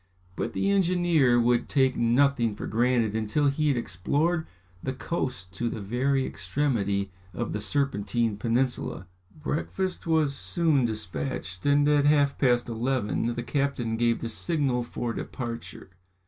But the engineer would take nothing for granted until he had explored the coast to the very extremity of the Serpentine peninsula. Breakfast was soon despatched, and at half past eleven the captain gave the signal for departure.